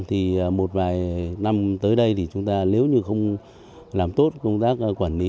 thì một vài năm tới đây thì chúng ta nếu như không làm tốt công tác quản lý